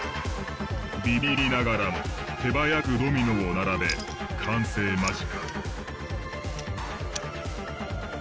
ビビりながらも手早くドミノを並べ完成間近。